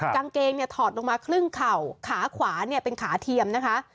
กางเกงเนี่ยถอดลงมาครึ่งเข่าขาขวาเนี่ยเป็นขาเทียมนะคะ